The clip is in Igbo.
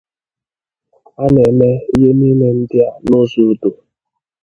A na-eme ihe niile ndị a n'ụzọ udo